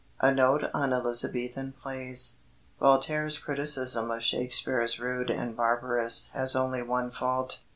A NOTE ON ELIZABETHAN PLAYS Voltaire's criticism of Shakespeare as rude and barbarous has only one fault.